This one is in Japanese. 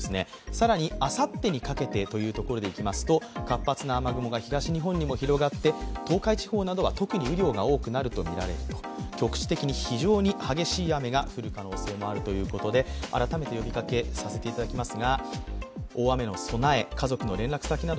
更に、あさってにかけてというところでいきますと、活発な雨雲が東日本にも広がって東海地方などは、特に雨量が多くなるとみられると局地的に非常に激しい雨が降る可能性もあるということで、改めて呼びかけさせていただきます。